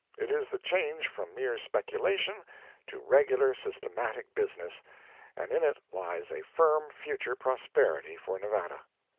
It is the change from mere speculation to regular, systematic business—and in it lies a firm future prosperity for Nevada.